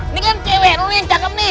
ini kan cewek dulu yang cakep nih